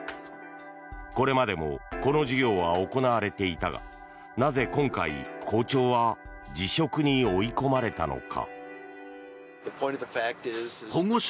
これまでもこの授業は行われていたがなぜ今回、校長は辞職に追い込まれたのか。